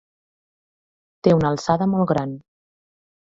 Té una alçada molt gran.